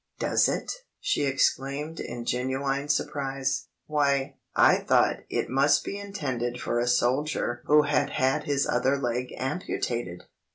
"Does it!" she exclaimed in genuine surprise. "Why, I thought it must be intended for a soldier who had had his other leg amputated!"